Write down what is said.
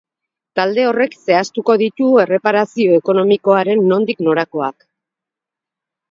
Talde horrek zehaztuko ditu erreparazio ekonomikoaren nondik norakoak.